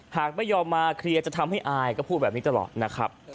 หากไม่ยอมมาเคลียร์จะทำให้อายก็พูดแบบนี้ตลอดนะครับ